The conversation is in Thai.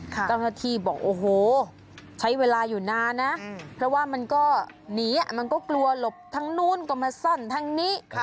เจ้าหน้าที่บอกโอ้โหใช้เวลาอยู่นานนะเพราะว่ามันก็หนีมันก็กลัวหลบทางนู้นก็มาซ่อนทางนี้